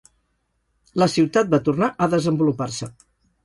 La ciutat va tornar a desenvolupar-se.